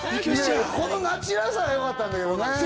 このナチュラルさがよかったんだけどね。